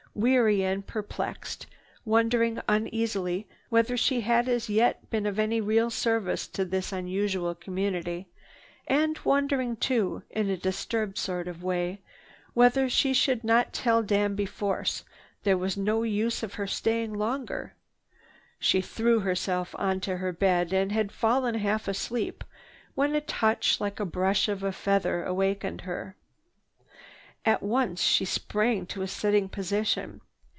Weary and perplexed, wondering uneasily whether she had as yet been of any real service to this unusual community, and wondering too in a disturbed sort of way whether she should not tell Danby Force there was no use of her staying longer, she threw herself on her bed and had fallen half asleep when a touch like the brush of a feather awakened her. At once she sprang to a sitting position.